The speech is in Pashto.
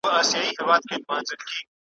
د هر چا په نزد له لوټي برابر یم `